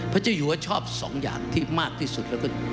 พระเจ้าหญิงว่าชอบสองอย่างที่มากที่สุด